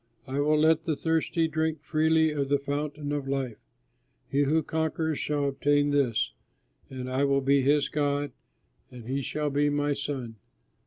I will let the thirsty drink freely of the fountain of life. He who conquers shall obtain this, and I will be his God and he shall be my son."